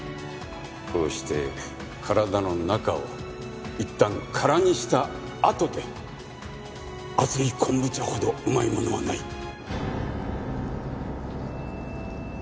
こうして体の中をいったん空にしたあとで熱い昆布茶ほどうまいものはない。